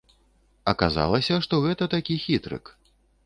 Аказалася, што гэта такі хітрык.